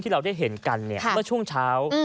เราได้เห็นกันเมื่อช่วงเช้า